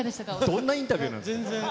どんなインタビューですか？